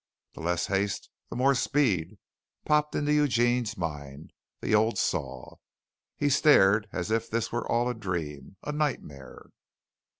"The less haste, the more speed," popped into Eugene's mind the old saw. He stared as if this were all a dream a nightmare.